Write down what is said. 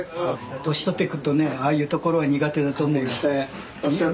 年取ってくるとねああいうところは苦手だと思うよ。